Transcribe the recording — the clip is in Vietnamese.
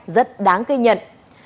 rất đáng gây nhận